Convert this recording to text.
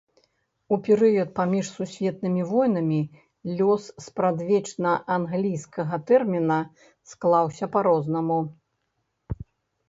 У перыяд паміж сусветнымі войнамі лёс спрадвечна англійскага тэрміна склаўся па-рознаму.